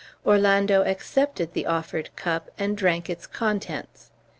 Orlando accepted the offered cup and drank its contents.